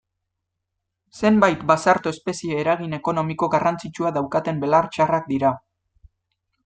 Zenbait basarto-espezie eragin ekonomiko garrantzitsua daukaten belar txarrak dira.